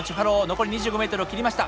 残り２５ｍを切りました。